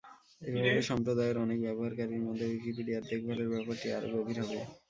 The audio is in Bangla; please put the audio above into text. এভাবে সম্প্রদায়ের অনেক ব্যবহারকারীর মধ্যে উইকিপিডিয়ার দেখভালের ব্যাপারটি আরও গভীর হবে।